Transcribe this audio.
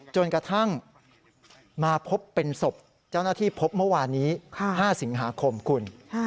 จนกระทั่งมาพบเป็นศพเจ้าหน้าที่พบเมื่อวานนี้๕สิงหาคมคุณ